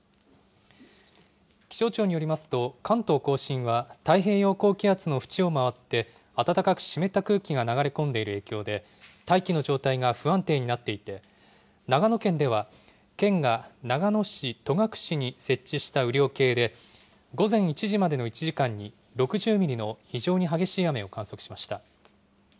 気象庁によりますと、関東甲信は太平洋高気圧の縁を回って、暖かく湿った空気が流れ込んでいる影響で、大気の状態が不安定になっていて、長野県では、県が長野市戸隠に設置した雨量計で、午前１時までの１時間に６０ミリの非常に激しい雨を観測しました。